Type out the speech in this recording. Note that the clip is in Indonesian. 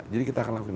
jadi kita akan lakukan